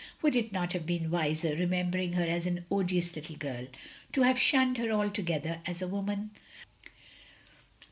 Would it not have been wiser, remembering her as an odious little girl, to have shtmned her altogether as a woman?